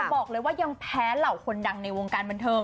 บอกเลยว่ายังแพ้เหล่าคนดังในวงการบันเทิง